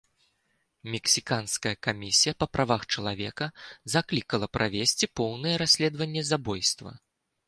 Мексіканская камісія па правах чалавека заклікала правесці поўнае расследаванне забойства.